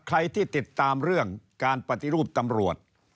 ใครที่ติดตามเรื่องการปฏิรูปตำรวจ